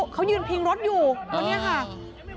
เขายืนพิงรถอยู่ตรงเนี่ยค่ะ